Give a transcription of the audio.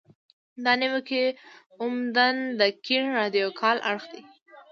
دا نیوکې عمدتاً د کیڼ رادیکال اړخ دي.